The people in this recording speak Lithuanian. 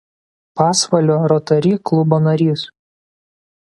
Pasvalio Rotary klubo narys.